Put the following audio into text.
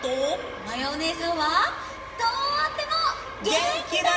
まやおねえさんはとっても。げんきだよ！